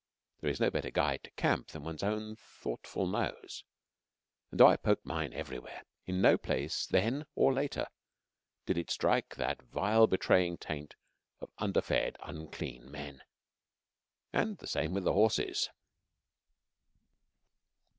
There is no better guide to camp than one's own thoughtful nose; and though I poked mine everywhere, in no place then or later did it strike that vile betraying taint of underfed, unclean men. And the same with the horses.